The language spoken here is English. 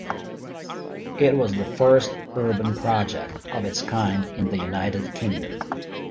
It was the first urban project of its kind in the United Kingdom.